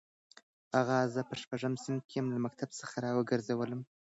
اغا زه په شپږم صنف کې له مکتب څخه راوګرځولم.